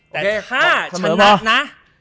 แต่ถ้าชนะนะ